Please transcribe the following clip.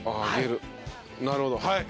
なるほどはい。